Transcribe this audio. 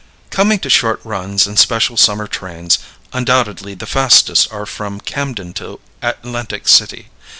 Coming to short runs and special summer trains, undoubtedly the fastest are from Camden to Atlantic City.